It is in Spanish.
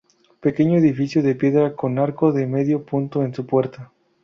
Pequeño edificio de piedra con arco de medio punto en su puerta.